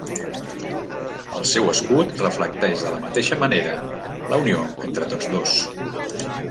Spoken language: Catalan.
El seu escut reflecteix de la mateixa manera la unió entre tots dos.